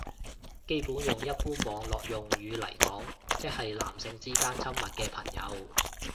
基友用一般網絡用語嚟講即係男性之間親密嘅朋友